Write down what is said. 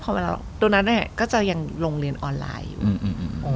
ตัวนั้นก็จะยังลงเรียนออนไลน์อยู่